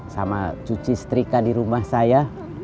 sama cuci setrika di rumah saya